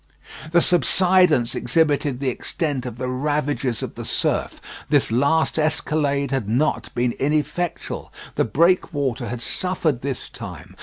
The subsidence exhibited the extent of the ravages of the surf. This last escalade had not been ineffectual. The breakwater had suffered this time.